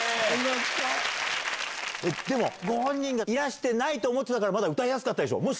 でもご本人がいらしてないと思ってたからまだ歌いやすかったでしょ。